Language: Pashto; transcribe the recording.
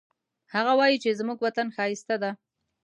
هغه وایي چې زموږ وطن ښایسته ده